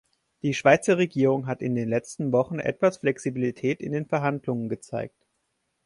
Die Schweizer Regierung hat in den letzten Wochen etwas Flexibilität in den Verhandlungen gezeigt.